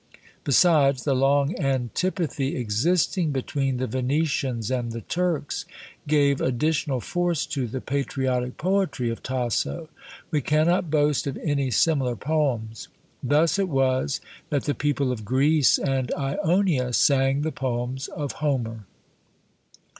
Besides, the long antipathy existing between the Venetians and the Turks gave additional force to the patriotic poetry of Tasso. We cannot boast of any similar poems. Thus it was that the people of Greece and Ionia sang the poems of Homer.